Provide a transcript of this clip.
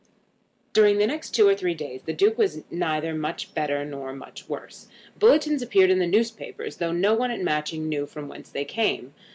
During the next two or three days the Duke was neither much better nor much worse. Bulletins appeared in the newspapers, though no one at Matching knew from whence they came.